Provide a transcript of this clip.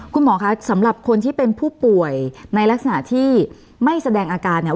คุณหมอคะสำหรับคนที่เป็นผู้ป่วยในลักษณะที่ไม่แสดงอาการเนี่ย